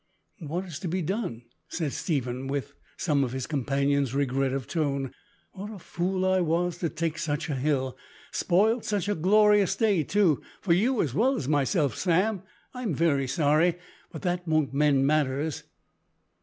"What is to be done?" said Stephen, with some of his companion's regret of tone. "What a fool I was to take such a hill spoilt such a glorious day too for you as well as myself, Sam. I'm very sorry, but that won't mend matters."